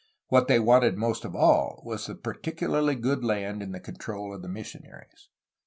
What they wanted most of all was the particularly good land in the control of the missionaries.